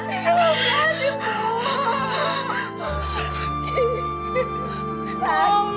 ina tidak berani ibu